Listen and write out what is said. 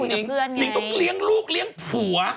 หิงต้องเลี้ยงลูกเลี้ยงผัว